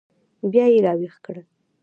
بیا یې راویښ کړل.